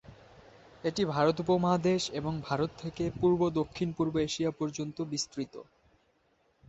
এটি ভারত উপমহাদেশ এবং ভারত থেকে পূর্ব-দক্ষিণপূর্ব এশিয়া পর্যন্ত বিস্তৃত।